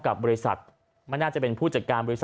กับบริษัทมันน่าจะเป็นผู้จัดการ